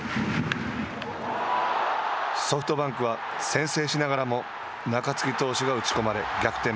ソフトバンクは先制しながらも中継ぎ投手が打ち込まれ逆転